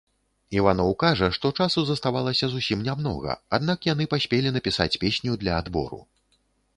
Іваноў кажа, што часу заставалася зусім нямнога, аднак яны паспелі напісаць песню для адбору.